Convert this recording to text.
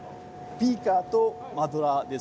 ビーカーとマドラーです。